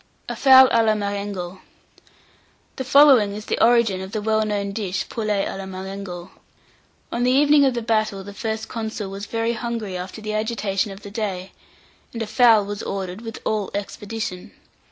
A FOWL À LA MARENGO. The following is the origin of the well known dish Poulet à la Marengo: On the evening of the battle the first consul was very hungry after the agitation of the day, and a fowl was ordered with all expedition.